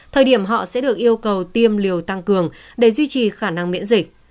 thời điểm họ sẽ được yêu cầu tiêm liều tăng cường để duy trì khả năng miễn dịch